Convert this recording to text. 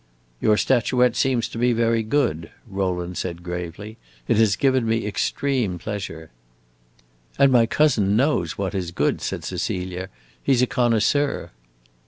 "Your statuette seems to me very good," Rowland said gravely. "It has given me extreme pleasure." "And my cousin knows what is good," said Cecilia. "He 's a connoisseur."